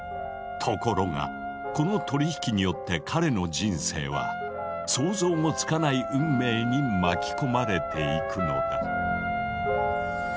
ところがこの取り引きによって彼の人生は想像もつかない運命に巻き込まれていくのだ。